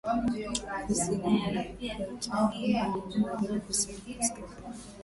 Kusini mwa Ikweta na upande wa Magharibi Kusini na Kaskazini